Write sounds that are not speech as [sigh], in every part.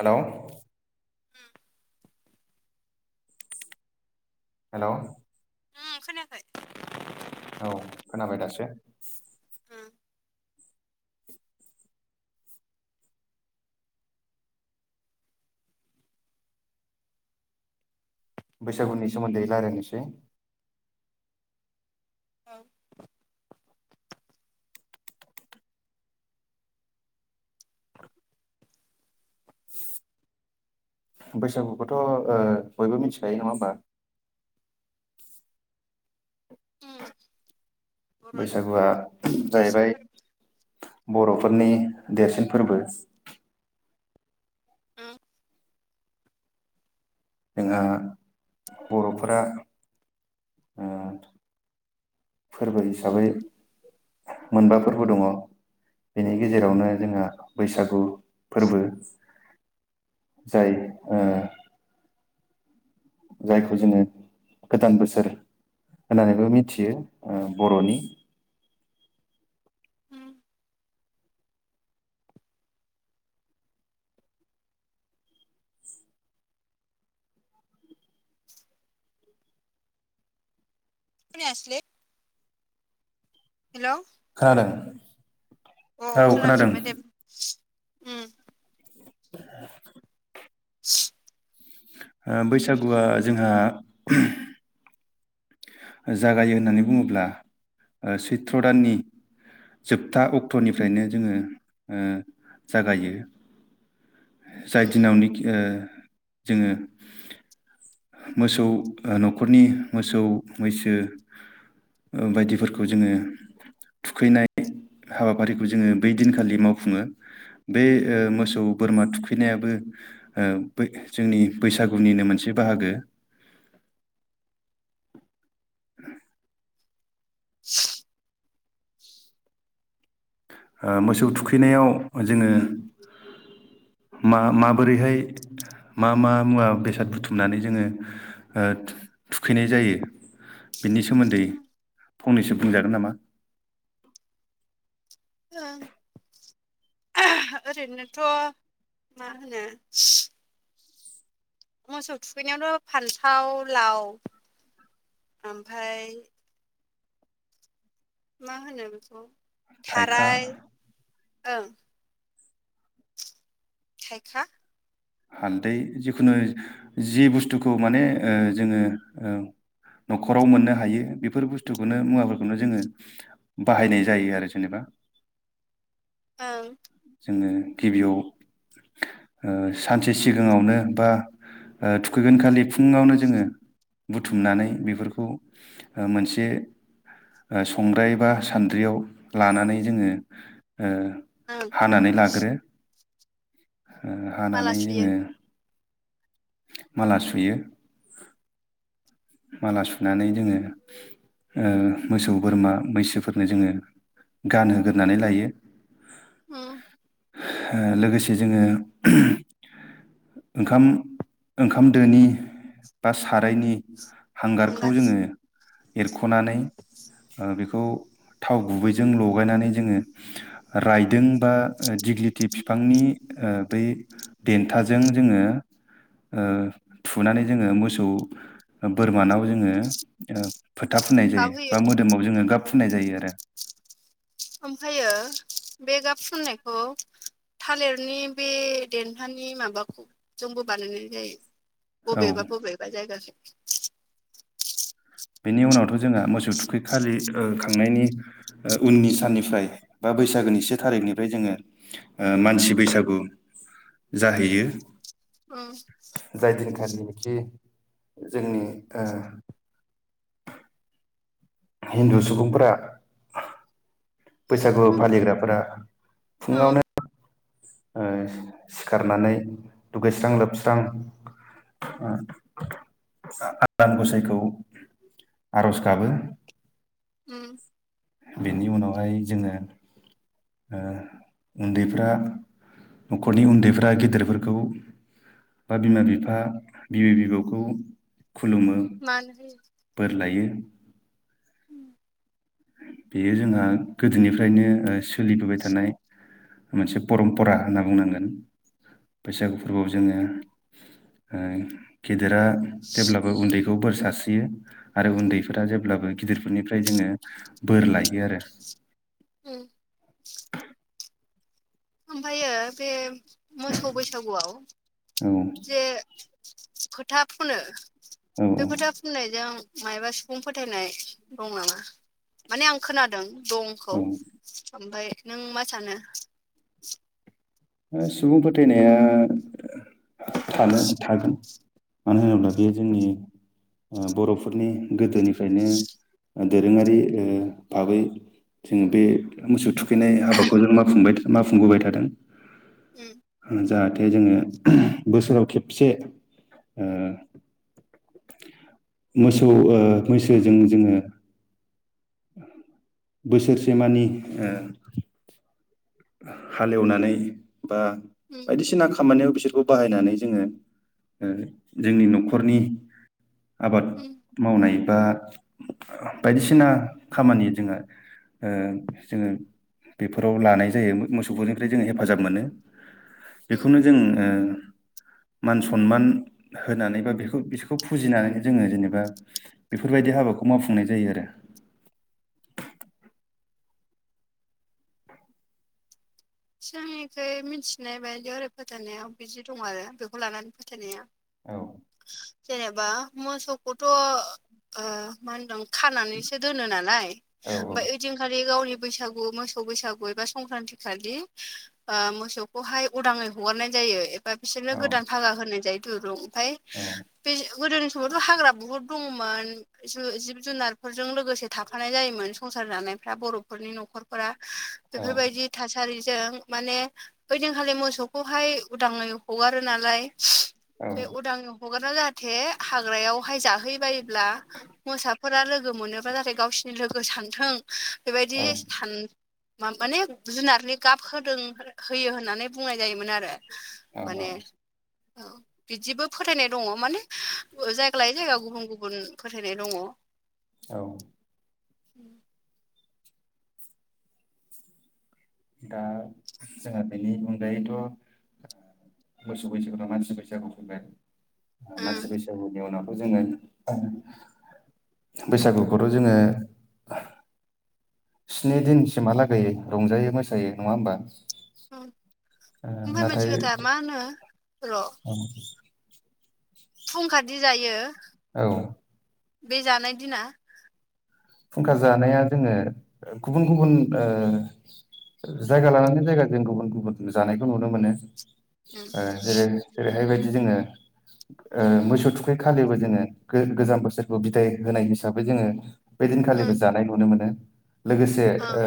हेल' होम हेल' उ खोनायाखै औ खोनाबाय दासो। ओम बैसागुनि सोमोन्दै रायल्लायनोसै‌। औ बैसागुखौथ' ओ बयबो मिथिखायो नङा होमबा? ओम बर'नि बैसागुआ देरसिन जाहैबाय फोरबो बर'फोरनि देरसिन फोरबो। ओम जोंहा बर'फोरा फोरबो हिसाबै मोनबा फोरबो दङ। बेनि गेजेरावनो जोंहा बैसागु फोरबो। जाय ओ जायखौ जोङो गोदान बोसोर होननानैबो मिथियो ओ बर'नि। ओम [unintelligible] हेलौ खोनादों? अ औ खोनादों खोनाफिनबाय दे। ओम [inaudible] [inaudible] ओ बैसागुआ जोंहा जागायो होननानै बुङोब्ला सैत्र दाननि जोबथा अक्ट'निफ्रायनो जोङो ओ जागायो। जाय ओम दिनावनिखि ओ जोङो मोसौ न'खरनि मोसौ मैसो बायदिफोरखौ जोङो थुखैनाय हाबाफारिखौ जोङो बै दिनखालि मावफुङो। बे ओ मोसौ बोरमा थुखैनायाबो ओ जोंनि बैसागुनिनो मोनसे बाहागो। [inaudible] [inaudible] [inaudible] ओ मोसौ थुखैनायाव जोङो मा माबोरैहाय मा मा मुवा-बेसाद बुथुमनानै जोङो ओ थुखैनाय जायो। बिनि सोमोन्दै फंनैसो बुंजागोन नामा? ओ [unintelligible] ओरैनोथ' मा होनो मोसौ थुखैनायावथ' फान्थाव लाव ओमफ्राय मा होनो बेखौ थाइखा थाराय ओं थाइखा हालदै जिखुनु जि बुस्थुखौ माने ओ जोङो ओ न'खराव मोननो हायो बेफोर बुस्थुखौनो मुवाफोरखौनो जोङो बाहायनाय जायो आरो जेनेबा। ओं जोङो गिबियाव ओ सानसे सिगाङावनो बा ओ थुखैगोन खालि फुङावनो जोङो बुथुमनानै बेफोरखौ ओ मोनसे संद्राय बा सान्द्रियाव लानानै जोङो ओ ओं हानानै लाग्रो माला हानानै सुयो जोङो माला सुयो। माला सुनानै जोङो ओ मोसौ-बोरमा मैसोफोरनो जोङो गान होग्रोरानै लायो। उम लोगोसे जोङो ओंखाम ओंखाम दोनि बा सारायनि [inaudible] हांगारखौ जोङो एरख'नानै ओ बे- खौ थाव गुबैजों लगायनानै जोङो रायदों बा दिग्लिथि बिफांनि बै देन्थाजों जोङो ओ थुनानै जोङो मोसौ बोरमानाव जोङो ओ फोथा फुननाय जायो गाबहोयो बा मोदोमाव जोङो गाब फुननाय जायो आरो। [inaudible] ओमफ्रायो बे गाब फुननायखौ थालिरनि बे देनथानि माबाखौ जोंबो बानायनाय जायो। औ बबेबा बबेबा जायगासिम। बेनि उनावथ' जोंहा मोसौ थुखै खालि ओ खांनायनि ओ उननि साननिफ्राय बा बैसागोनि से थारिखनिफ्राय जोङो ओ मानसि बैसागु जाहैयो। औ जाय दिनखालिनोखि जोंनि ओ हिन्दु सुबुंफोरा। बैसागु फालिग्राफोरा फुङावनो ओ सिखारनानै दुगैस्रां लोबस्रां आनान गसाइखौ आरज गाबो। उम। बेनि उनावहाय जोङो ओ उन्दैफ्रा न'खरनि उन्दैफ्रा गेदेरफोरखौ बा बिमा बिफा, बिबै बिबौखौ खुलुमो। मान होयो। बोर लायो। बेयो जोंहा गोदोनिफ्रायनो ओ सोलिबोबाय थानाय मोनसे परम्परा होनना बुंनांगोन। बैसागु फोरबोखौ जोङो ओ गेदेरा जेब्लाबो उन्दैखौ बोर सारस्रियो आरो उन्दैफोरा जेब्लाबो गिदिरफोरनिफ्राय जोङो बोर लायो आरो। उम। ओमफायो बे मोसौ बैसागुआव औ जे फोथा फुनो, औ बे फोथा फुननायजों मायबा सिफुं फोथायनाय दं नामा? माने आं खोनादों औ दंखौ। ओमफाय नों मा सानो? ओ सुबुं फोथायनाया थानो थागोन। मानो होनोब्ला बेयो जोंनि ओ बर'फोरनि गोदोनिफ्रायनो दोरोङारि ओ भाबै जोङो बे मोसौ थुखैनाय हाबाखौ जों मावफुंबाय था मावफुंबोबाय थादों। उम। जाहाथे जोङो ओम बोसोराव खेबसे ओ मोसौ ओ मैसोजों जोङो बोसोरसे मानि ओ हालेवनानै बा बायदिसिना खामानियाव बिसोर खौ बाहायनानै जोङो ओ जोंनि न'खरनि आबाद मावनाय बा बायदिसिना खामानि जोङो ओ जोङो बेफोराव लानाय जायो मोसौफोरनिफ्राय जों हेफाजाब मोनो। बेखौनो जों ओ मान सनमान होनानै बा बेखौ बिसोरखौ फुजिनानै जोङो जेनेबा बेफोरबायदि हाबाखौ मावफुंनाय जायो आरो। सिगांनिखो मिन्थिनाय बायदियाव ओरै फोथायनायाव बिदि दं आरो बेखौ लानानै फोथायनाया। औ। जेनेबा मोसौखौथ' ओ मा होनदों खानानैसो दोनो नालाय। औ ओमफाय ओइदिनखालि गावनि बैसागु मोसा सौ बैसागु एबा संक्रान्ति खालि ओ मोसौखौहाय उदाङै हगारनाय जायो। बा बिसोरनो औ गोदान फागा होनाय जायो दुरुं। ओमफफ्राय औ बे गोदोनि समावथ' हाग्रा बुहुद दङमोन। जिब जुनारफोरजों लोगोसे थाफानाय जायोमोन संसार जानायफ्रा बर'फोरनि न'खरफोरा बेफोरबायदि थासारिजों माने ओइदिनखालि मोसौखौहाय उदाङै हगारो नालाय बे उदाङै हगारा जाहाथे हाग्रायावहाय जाहै बायोब्ला मोसाफोरा लोगो मोनोबा जाहाथे गावसिनि लोगो सानथों बेबायदि औ सान माने जुनारनि गाब होदों होयो होननानै बुंनाय जायोमोन आरो। औ औ माने औ बिदिबो फोथायनाय दङ माने जायगा लायै जायगा गुबुन गुबुन फोथायनाय दङ। औ दा जोंहा बेनि अनगायैथ' मोसौ बैसागुनिफ्राय मानसि बैसागु फैबाय मानसि बैसागुनि उनावथ' जोङो बैसागुखौथ' जोङो स्नि दिनसिमहालागैयै रंजायो मोसायो नङा होमबा। ओम ओ ओमफ्राय मोनसे खोथा मा होनो र' औ फुंखादि जायो औ बे जानाय दिना फुंखा जानाया जोङो गुबुन गुबुन ओ जायगा लानानै जायगा जों गुबुन गुबुन जानायखौ नुनो मोनो ओ जेरै जेरैहायबायदि जोङो ओ मोसौ थुखै खालिबो जोङो गोजाम बोसोरखौ बिदाय होनाय हिसाबै जोङो बेदिनखालिबो जानाय नुनो मोनो लोगोसे ओ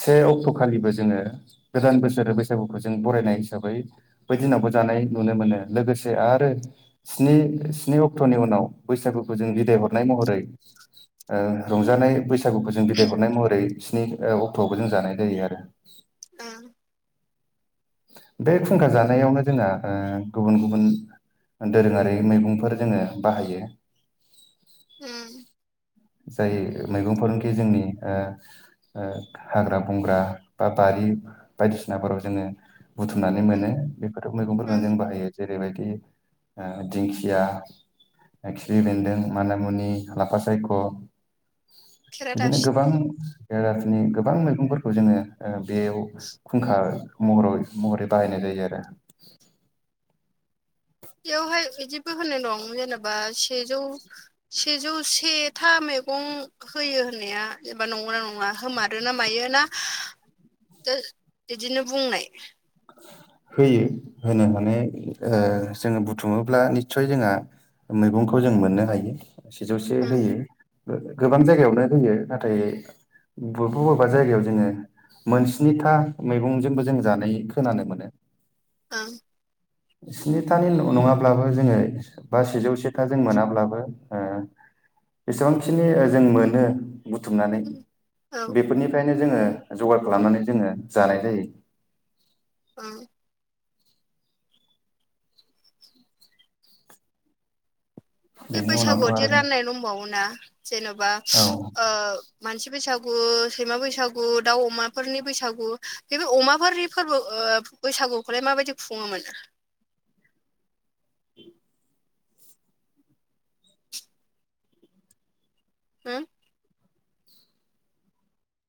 से अक्ट'खालिबो जोङो गोदान बोसोर बैसागुखौ जों बरायनाय हिसाबै बै दिनावबो जानाय नुनो मोनो लोगोसे आरो स्नि स्नि अक्ट'नि उनाव बैसागुखौ जों बिदाय हरनाय महरै ओ रंजानाय बैसागुखौ जों बिदाय हरनाय महरै स्नि अक्ट'आवबो जों जानाय जायो आरो। ओम। बे खुंखा जानायावनो जोंहा ओ गुबुन गुबुन दोरोङारि मैगंफोर जोङो बाहायो। ओम। जाय मैगंफोरानोखि जोंनि ओ ओ हाग्रा बंग्रा बा बारि बायदिसिनाफोराव जोङो बुथुमनानै मोनो बेफोर मैगंफोरखौनो जों बाहायो। जेरैबायदि ओ दिंखिया खिफि बेन्दों मानि मुनि लाफा सायख' बिदिनो गोबां खेरादाफिनि जाथिनि गोबां मैगंफोरखौ जोङो बेयाव खुंखा महरै महरै बाहायनाय जायो आरो। बेवहाय बिदिबो होननाय दं जेनेबा सेजौ सेजौ से था मैगं होयो होननाया जेनेबा नंगौ ना नङा होमारोना मायो ना बिदिनो बुंनाय होयो होनो माने जोङो बुथुुमोब्ला निस्सय जोंहा मैगंखौ जों मोननो हायो सेजौसे ओं होयो। गोबां जायगायावनो होयो नाथाय बबेबा बबेबा जायगायाव जोङो मोनस्निथा मैगंजोंबो जों जानाय खोनानो मोनो। ओं स्निथानि नंङाब्लाबो जोंङो बा सेजौ सेथा जों मोनाब्लाबो ओ एसेबांखिनि ओ जों मोनो बुथुमनानै औ बेफोरनिफ्रायनो जोंङो जगार खालामनानै जोंङो जानाय जायो। ओं बे बेनि उनावथ' बैसागुआवदि आरो राननाय दंबावोना जेन'बा औ। ओ मानसि बैसागु सैमा बैसागु दाउ अमाफोरनि बैसागु बे अमाफोरनि फोरबो ओ बैसागुखौलाय माबायदि खुङोमोन? हो